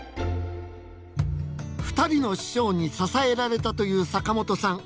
２人の師匠に支えられたという坂本さん。